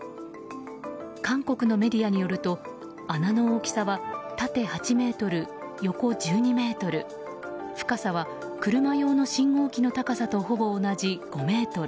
韓国のメディアによると穴の大きさは縦８ｍ、横１２ｍ深さは車用の信号機の高さとほぼ同じ５ｍ。